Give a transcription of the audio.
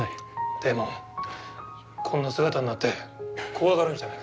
でもこんな姿になって怖がるんじゃないか。